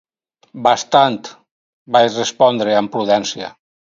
"Bastant", vaig respondre amb prudència.